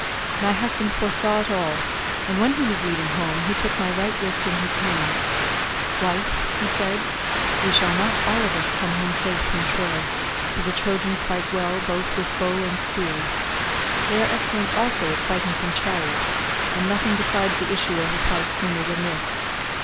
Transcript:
My husband foresaw it all, and when he was leaving home he took my right wrist in his hand—'Wife,' he said, 'we shall not all of us come safe home from Troy, for the Trojans fight well both with bow and spear. They are excellent also at fighting from chariots, and nothing decides the issue of a fight sooner than this.